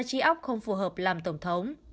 chi óc không phù hợp làm tổng thống